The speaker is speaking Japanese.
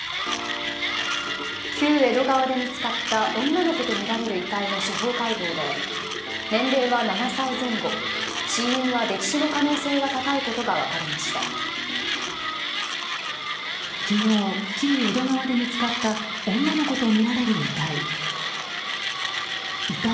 旧江戸川で見つかった女の子とみられる遺体の司法解剖で年齢は７歳前後、死因は溺死の可能性が高いことが昨日、旧江戸川で見つかった女の子とみられる遺体。